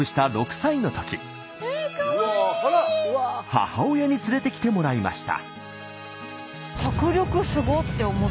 母親に連れてきてもらいました。